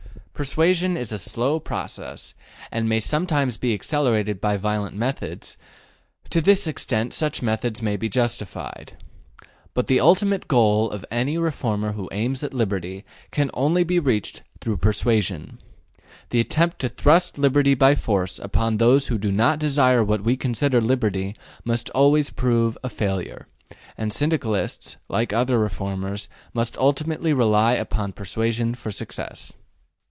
Persuasion is a slow process, and may sometimes be accelerated by violent methods; to this extent such methods may be justified. But the ultimate goal of any reformer who aims at liberty can only be reached through persuasion. The attempt to thrust liberty by force upon those who do not desire what we consider liberty must always prove a failure; and Syndicalists, like other reformers, must ultimately rely upon persuasion for success.